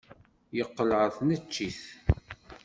Yeqqel ɣer tneččit.